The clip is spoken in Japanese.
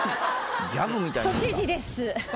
都知事です。